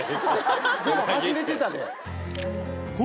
でも走れてたで。